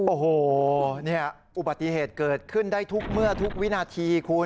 โอ้โหเนี่ยอุบัติเหตุเกิดขึ้นได้ทุกเมื่อทุกวินาทีคุณ